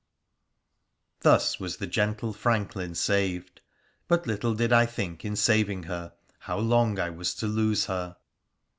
Thus was the gentle franklin saved ; but little did I think in saving her how long I was to lose her.